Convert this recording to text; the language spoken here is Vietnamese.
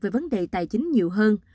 về vấn đề tài chính nhiều hơn